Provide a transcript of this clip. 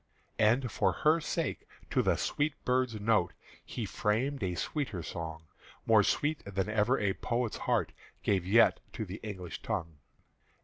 And for her sake, to the sweet bird's note, He framed a sweeter Song, More sweet than ever a poet's heart Gave yet to the English tongue.